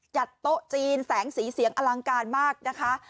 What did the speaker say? โต๊ะจีนแสงสีเสียงอลังการมากนะคะ